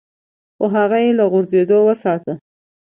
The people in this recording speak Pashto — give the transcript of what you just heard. خو هغه يې له غورځېدو وساته.